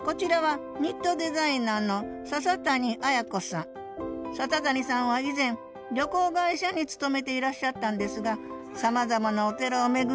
こちらは笹谷さんは以前旅行会社に勤めていらっしゃったんですがさまざまなお寺を巡り